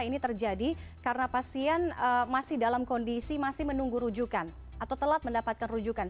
ini terjadi karena pasien masih dalam kondisi masih menunggu rujukan atau telat mendapatkan rujukan